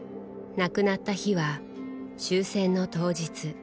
亡くなった日は終戦の当日。